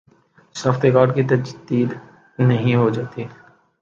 شناختی کارڈ کی تجدید نہیں ہوجاتی